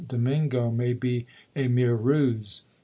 ' Domingo may be a mere ruse."